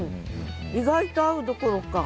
意外と合うどころか。